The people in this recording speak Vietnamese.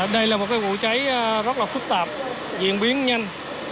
đây là một vụ cháy rất là phức tạp diễn biến nhanh